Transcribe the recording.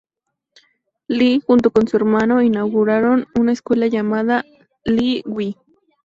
Lee junto con su hermano inauguraron una Escuela llamada "Lee Wei".